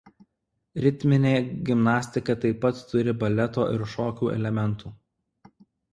Ritminė gimnastika taip pat turi baleto ir šokio elementų.